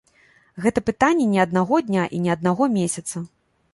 Гэта пытанне не аднаго дня і не аднаго месяца.